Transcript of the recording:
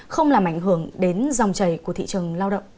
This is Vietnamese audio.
không làm ảnh hưởng đến dòng chảy của thị trường lao động